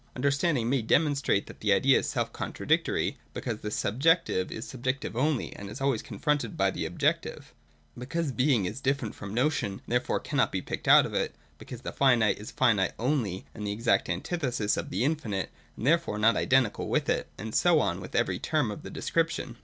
Understanding may demonstrate that the Idea is self contradictory : because the subjective is subjective only and is always confronted by the objective, — because being is different from notion and therefore cannot be picked out of it, — because the finite is finite only, the exact antithesis of the infinite, and therefore not identical with it ; and so on with every term of the description.